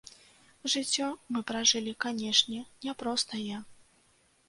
Жыццё мы пражылі, канешне, няпростае.